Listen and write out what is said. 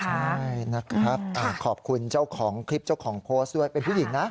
ใช่นะครับขอบคุณเจ้าของคลิปเจ้าของโพสต์ด้วยเป็นผู้หญิงนะ